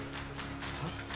はっ？